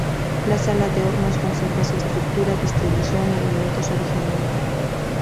La sala de hornos conserva su estructura, distribución y elementos originales.